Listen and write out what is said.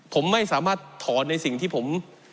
ผมไม่สามารถถอนในสิ่งที่ผม